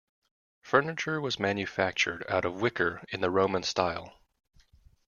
Furniture was manufactured out of wicker in the Roman style.